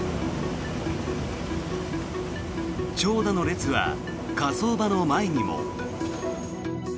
長蛇の列は火葬場の前にも。